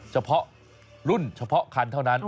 เฉพาะรุ่นเฉพาะคันเท่านั้น